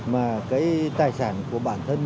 mà cái tài sản của bản thân